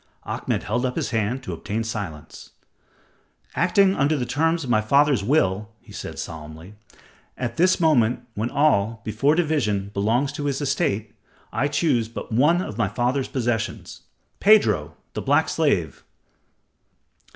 Ahmed held up his hand to obtain silence. "Acting under the terms of my father's will," he said, solemnly, "at this moment when all, before division, belongs to his estate, I choose but one of my father's possessions Pedro, the black slave."